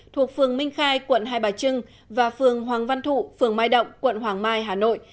thuộc phường minh khai quận hai bà trưng và phường hoàng văn thụ phường mai động quận hoàng mai hà nội